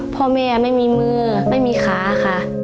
พ่อแม่ไม่มีมือไม่มีขาค่ะ